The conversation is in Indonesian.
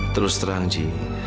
terus terang ji